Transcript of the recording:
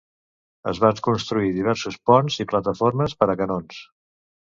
Es van construir diversos ponts i plataformes per a canons.